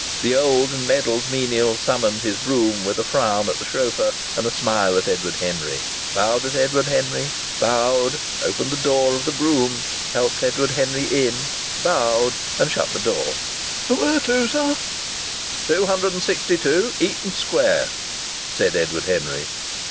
The old and medalled menial summoned his brougham with a frown at the chauffeur and a smile at Edward Henry, bowed, opened the door of the brougham, helped Edward Henry in, bowed, and shut the door. "Where to, sir?" "262 Eaton Square," said Edward Henry.